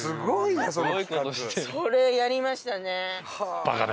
それやりましたね。